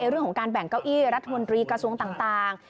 เรื่องของการแบ่งเก้าอี้รัฐมนตรีกระทรวงต่าง